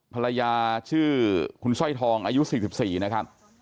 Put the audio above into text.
ภรรยาชื่อคุณสร้อยทองอายุ๔๔นะครับ